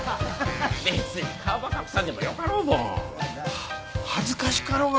別に顔ば隠さんでもよかろうもん。は恥ずかしかろうが。